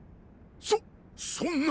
そそんな！